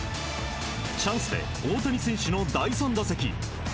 チャンスで大谷選手の第３打席。